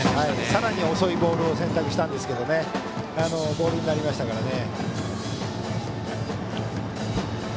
さらに遅いボールを選択したんですけどボールになりましたからね。